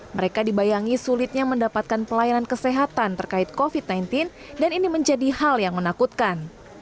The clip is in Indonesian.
mereka dibayangi sulitnya mendapatkan pelayanan kesehatan terkait covid sembilan belas dan ini menjadi hal yang menakutkan